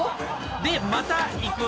でまた行く。